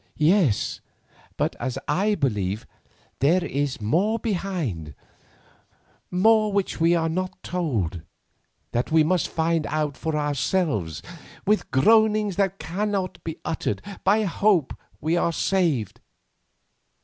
"Yes; but, as I believe, there is more behind, more which we are not told; that we must find out for ourselves with 'groanings which cannot be uttered; by hope we are saved.